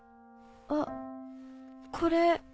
あっこれ。